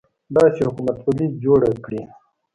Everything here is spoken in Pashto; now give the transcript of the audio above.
داسې حکومتولي جوړه کړي.